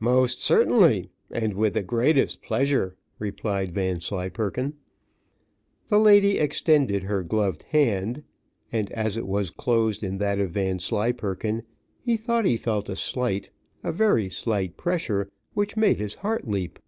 "Most certainly, and with the greatest pleasure," replied Vanslyperken. The lady extended her gloved hand, and as it was closed in that of Vanslyperken, he thought he felt a slight, a very slight pressure, which made his heart leap.